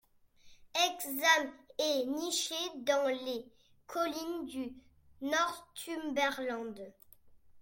Hexham est nichée dans les collines du Northumberland.